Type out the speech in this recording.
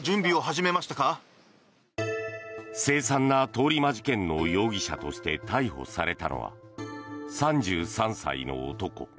せい惨な通り魔事件の容疑者として逮捕されたのは３３歳の男。